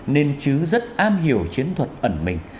nên chứ rất am hiểu chiến thuật ẩn mình